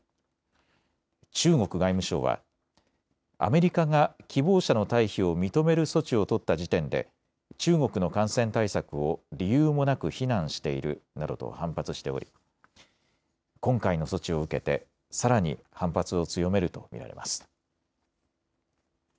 中国外務省はアメリカが希望者の退避を認める措置を取った時点で中国の感染対策を理由もなく非難しているなどと反発しており今回の措置を受けてさらに反発を強めると見られます。